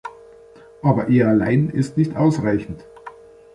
Aber er allein ist nicht ausreichend.